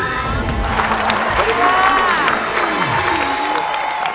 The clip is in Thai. สวัสดีครับ